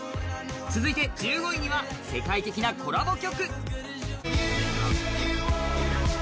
続いて１５位には世界的なコラボ曲。